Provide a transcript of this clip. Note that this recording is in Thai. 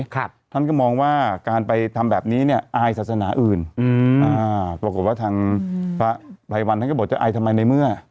ท่านก็มองว่าการไปทำแบบนี้เนี่ยอายศาสนาอื่นอืมอ่าปรากฏว่าทางพระไพรวันท่านก็บอกจะอายทำไมในเมื่อ